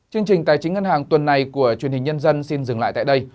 chương trình tài chính ngân hàng tuần này của truyền hình nhân dân xin dừng lại tại đây